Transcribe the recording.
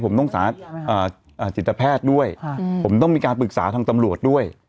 ผมต้องจิตแพทย์ด้วยผมต้องมีการปรึกษาทางตำรวจด้วย